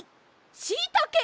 しいたけ！